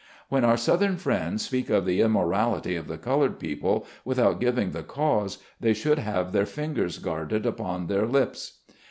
When our southern friends speak of the immorality of the colored people, without giving the cause, they should have their fingers guarded upon their lips.